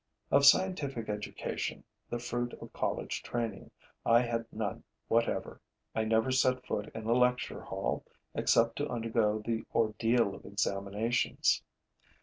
Of scientific education, the fruit of college training, I had none whatever. I never set foot in a lecture hall except to undergo the ordeal of examinations.